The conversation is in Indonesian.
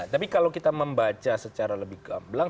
tapi kalau kita membaca secara lebih gamblang